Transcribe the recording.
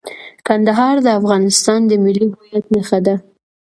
کندهار د افغانستان د ملي هویت نښه ده.